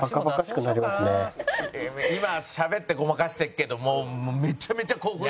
今しゃべってごまかしてるけどもうめちゃめちゃ興奮して。